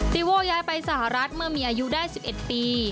ติโว้ย้ายไปสหรัฐเมื่อมีอายุได้๑๑ปี